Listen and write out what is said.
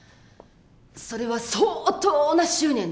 それは相当な執念だ。